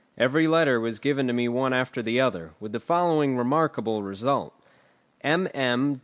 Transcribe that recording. Every letter was given me one after the other, with the following remarkable result: mm.